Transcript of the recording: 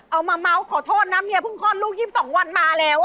เมาส์ขอโทษนะเมียเพิ่งคลอดลูก๒๒วันมาแล้ว